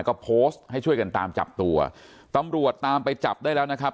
ก็โพสต์ให้ช่วยกันตามจับตัวตำรวจตามไปจับได้แล้วนะครับ